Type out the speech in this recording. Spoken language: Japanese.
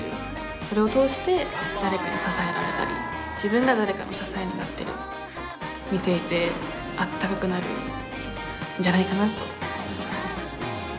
それを通して誰かに支えられたり自分が誰かの支えになったり見ていてあったかくなるんじゃないかなと思います。